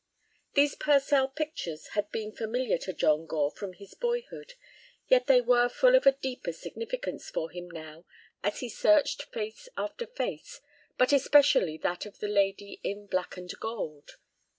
These Purcell pictures had been familiar to John Gore from his boyhood, yet they were full of a deeper significance for him now as he searched face after face, but especially that of the lady in black and gold.